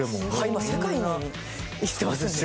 今世界にいってますので。